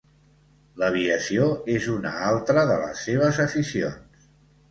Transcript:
L'aviació és una altra de les seves aficions.